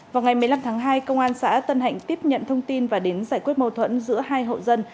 vào ngày một mươi năm tháng hai công an xã tân hạnh tiếp nhận thông tin và đến giải quyết mâu thuẫn giữa hai hộ dân